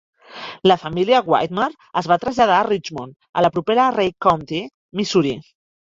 La família Whitmer es va traslladar a Richmond a la propera Ray County, Missouri.